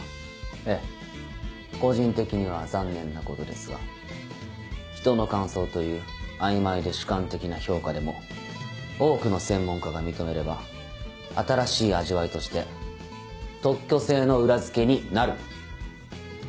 ええ個人的には残念なことですが人の感想という曖昧で主観的な評価でも多くの専門家が認めれば新しい味わいとして特許性の裏付けになる。